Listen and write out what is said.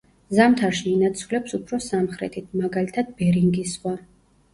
ზამთარში ინაცვლებს უფრო სამხრეთით, მაგალითად ბერინგის ზღვა.